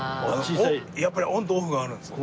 やっぱりオンとオフがあるんですよ。